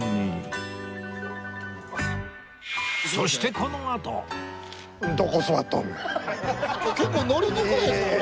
そしてこのあと結構乗りにくいですこれ。